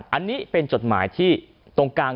คือลายมือของคนคนหนึ่งซึ่งเป็นคนราย